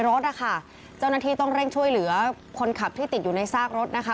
เจ้าหน้าที่ต้องเร่งช่วยเหลือคนขับที่ติดอยู่ในซากรถนะคะ